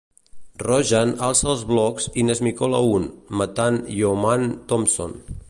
Rojan alça els blocs i n'esmicola un, matant Yeoman Thompson.